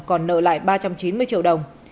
còn nợ lại ba trăm chín mươi triệu đồng